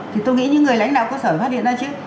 thì tôi nghĩ những người lãnh đạo có sở phát hiện ra chứ